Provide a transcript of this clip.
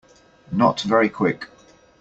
Not very Quick.